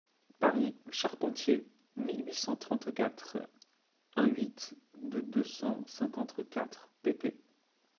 Paris, Charpentier, mille huit cent trente-quatre, in-huit de deux cent cinquante-quatre pp.